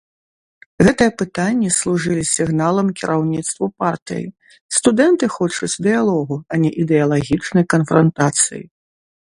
Гэтыя пытанні служылі сігналам кіраўніцтву партыі, студэнты хочуць дыялогу, а не ідэалагічнай канфрантацыі.